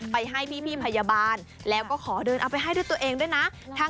ไปให้พี่พยาบาลแล้วก็ขอเดินเอาไปให้ด้วยตัวเองด้วยนะ